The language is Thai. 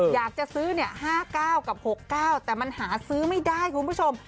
อยากจะซื้อ๕๙กับ๖๙แต่มันหาซื้อไม่ได้คุณผู้ชม